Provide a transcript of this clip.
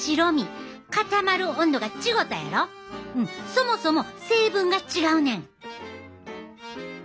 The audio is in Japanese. そもそも成分が違うねん。